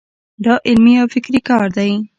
دا علمي او فکري کار دی.